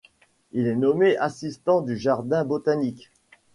Il est nommé assistant du jardin botanique.